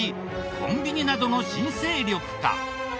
コンビニなどの新勢力か？